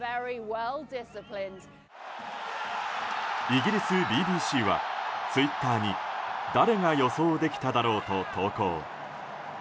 イギリスＢＢＣはツイッターに誰が予想できただろうと投稿。